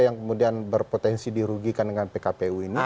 yang kemudian berpotensi dirugikan dengan pkpu ini